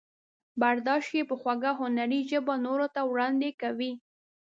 برداشت یې په خوږه هنري ژبه نورو ته وړاندې کوي.